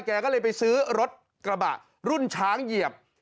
แกก็เลยไปซื้อรถกระบะรุ่นช้างเหยียบ